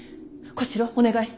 小四郎お願い。